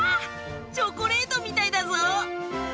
チョコレートみたいだぞ。